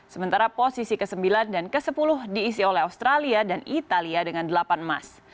sementara posisi ke sembilan dan ke sepuluh diisi oleh australia dan italia dengan delapan emas